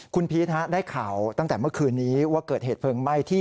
คุณพีชฮะได้ข่าวตั้งแต่เมื่อคืนนี้ว่าเกิดเหตุผลไม่